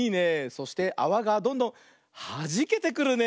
そしてあわがどんどんはじけてくるね。